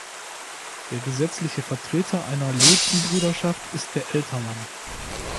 Der gesetzliche Vertreter einer Lotsenbrüderschaft ist der Ältermann.